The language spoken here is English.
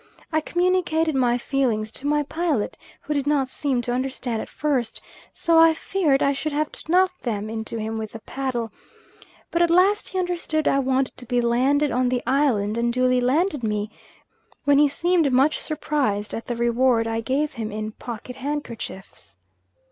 I communicated my feelings to my pilot, who did not seem to understand at first, so I feared I should have to knock them into him with the paddle; but at last he understood I wanted to be landed on the island and duly landed me, when he seemed much surprised at the reward I gave him in pocket handkerchiefs.